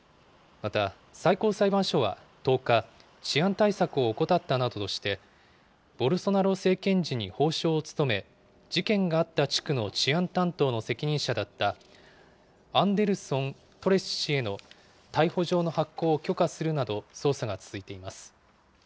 また、最高裁判所は１０日、治安対策を怠ったなどとして、ボルソナロ政権時に法相を務め、事件があった地区の治安担当の責任者だった、アンデルソン・トレス氏への逮捕状の発行を許可するなど、捜査が続いています。